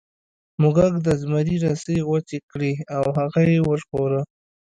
موږک د زمري رسۍ غوڅې کړې او هغه یې وژغوره.